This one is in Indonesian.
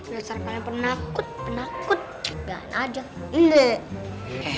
besarnya penakut penakut